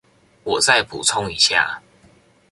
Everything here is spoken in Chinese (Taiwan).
我再補充一下